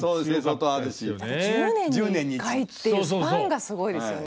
１０年に１回っていうスパンがすごいですよね。